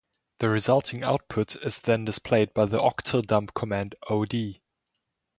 The resulting output is then displayed by the octal dump command od.